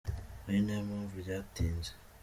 ari nayo mpamvu ryatinze